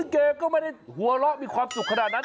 แกก็ไม่ได้หัวเราะมีความสุขขนาดนั้น